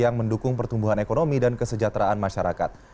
yang mendukung pertumbuhan ekonomi dan kesejahteraan masyarakat